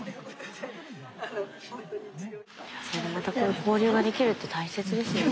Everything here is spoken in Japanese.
それでまたこういう交流できるって大切ですよね。